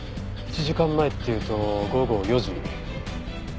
１時間前っていうと午後４時。